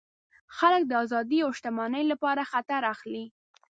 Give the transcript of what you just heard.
خلک د آزادۍ او شتمنۍ لپاره خطر اخلي.